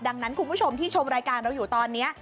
ดังนั้นคุณผู้ชมที่ชมรายการเราอยู่ตอนนี้